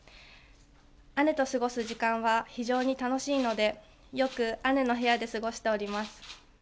姉と過ごす時間は非常に楽しいので、よく姉の部屋で過ごしております。